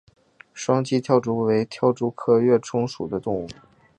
双栖跃蛛为跳蛛科跃蛛属的动物。